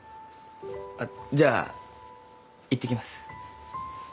あっじゃあいってきます。